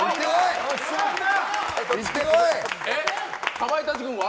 かまいたち軍は。